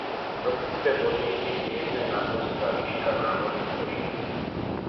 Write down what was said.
Tropické podmínky zmírňuje nadmořská výška náhorní plošiny.